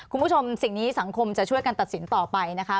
สิ่งนี้สังคมจะช่วยกันตัดสินต่อไปนะคะ